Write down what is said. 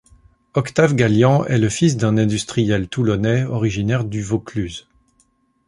Octave Gallian est le fils d'un industriel toulonnais originaire du Vaucluse.